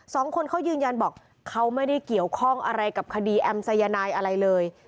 สองคนเขายืนยันบอกเขาไม่ได้เกี่ยวข้องอะไรกับคดีแอมสายนายอะไรเลย